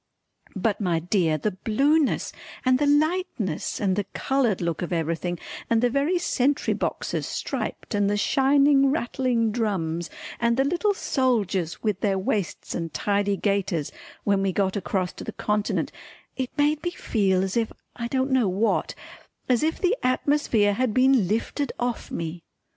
But my dear the blueness and the lightness and the coloured look of everything and the very sentry boxes striped and the shining rattling drums and the little soldiers with their waists and tidy gaiters, when we got across to the Continent it made me feel as if I don't know what as if the atmosphere had been lifted off me.